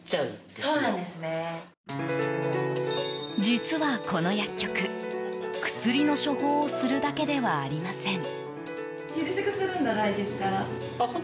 実はこの薬局、薬の処方をするだけではありません。